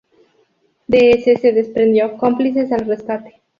De ese se desprendió "Cómplices al rescate".